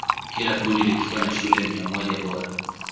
Kila kundi likiwa na shule mia moja bora.